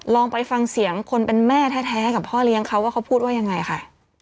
ลองไปฟังเสียงคนเป็นแม่แท้กับพ่อเลี้ยงเขาว่าเขาพูดว่ายังไงค่ะ